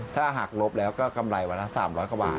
ถ้าหากลบแล้วก็กำไรวันละ๓๐๐กว่าบาท